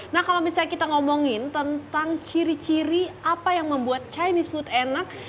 nah kalau misalnya kita ngomongin tentang ciri ciri apa yang membuat chinese food enak